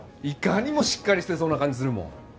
いかにもしっかりしてそうな感じするもん